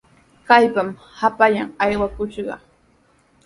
¡Kaypami hapallan aywakushqa!